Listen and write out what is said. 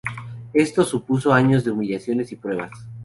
Esto supuso años de humillaciones y pruebas.